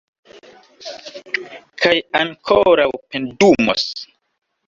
Kaj ankoraŭ pendumos.